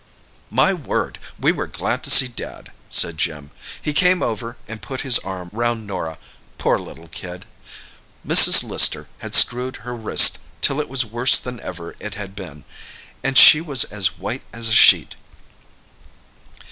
'" "My word, we were glad to see Dad!" said Jim. "He came over and put his arm round Norah—poor little kid. Mrs. Lister had screwed her wrist till it was worse than ever it had been, and she was as white as a sheet.